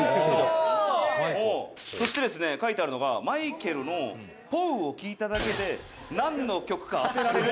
「そして書いてあるのがマイケルの“ＰＯＷ”を聴いただけでなんの曲か当てられる」